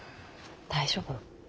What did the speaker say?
大丈夫？